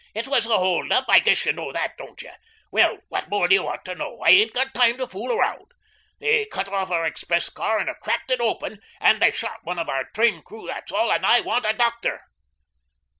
"It was a hold up. I guess you know that, don't you? Well, what more do you want to know? I ain't got time to fool around. They cut off our express car and have cracked it open, and they shot one of our train crew, that's all, and I want a doctor."